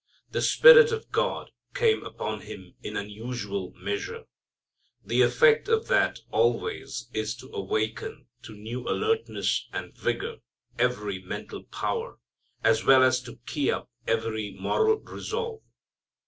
The Spirit of God came upon Him in unusual measure. The effect of that always is to awaken to new alertness and vigor every mental power, as well as to key up every moral resolve.